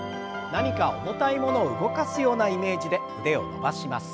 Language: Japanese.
何か重たいものを動かすようなイメージで腕を伸ばします。